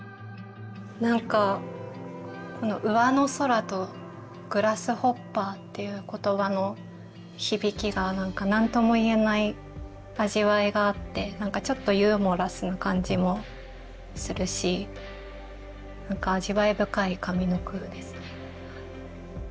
何かこの「上の空」と「グラスホッパー」っていう言葉の響きが何とも言えない味わいがあって何かちょっとユーモラスな感じもするし何か味わい深い上の句ですね。